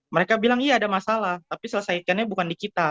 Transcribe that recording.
mereka bilang iya ada masalah tapi selesaikannya bukan di kita